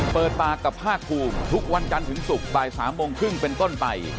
เปิดปากกับภาคภูมิทุกวันจันทร์ถึงศุกร์บ่าย๓โมงครึ่งเป็นต้นไป